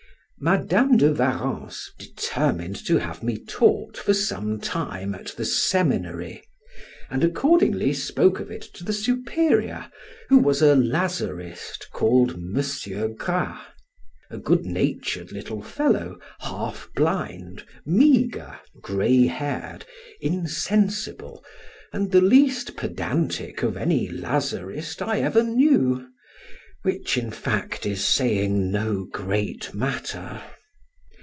Madam de Warrens determined to have me taught for some time at the seminary, and accordingly spoke of it to the Superior, who was a Lazarist, called M. Gras, a good natured little fellow, half blind, meagre, gray haired, insensible, and the least pedantic of any Lazarist I ever knew; which, in fact, is saying no great matter.